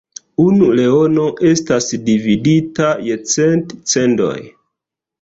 Unu leono estas dividita je cent "cendoj".